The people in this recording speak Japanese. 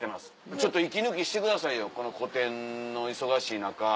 ちょっと息抜きしてくださいよこの個展の忙しい中。